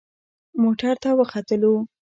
موټر ته وختلو.